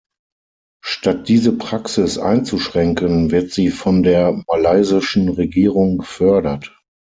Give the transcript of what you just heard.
Statt diese Praxis einzuschränken, wird sie von der malaysischen Regierung gefördert.